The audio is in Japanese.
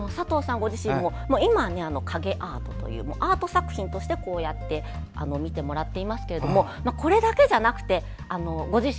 ご自身も今、影アートというアート作品としてこうやって見てもらっていますがこれだけじゃなくてご自身